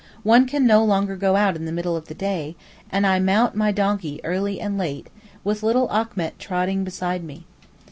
One can no longer go out in the middle of the day, and I mount my donkey early and late, with little Achmet trotting beside me.